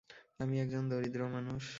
আমি এক জন দরিদ্র মানুষ।